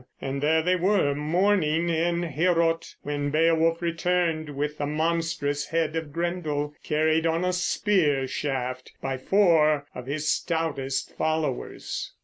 And there they were, mourning in Heorot, when Beowulf returned with the monstrous head of Grendel carried on a spear shaft by four of his stoutest followers.